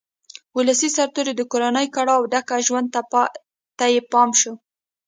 ولسي سرتېرو د کورنیو کړاوه ډک ژوند ته یې پام شو.